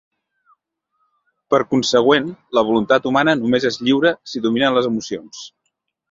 Per consegüent, la voluntat humana només és lliure si domina les emocions.